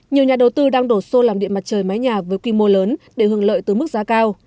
nhiều nhà đầu tư đang đổ xô làm điện mặt trời mái nhà với quy mô lớn để hưởng lợi từ mức giá cao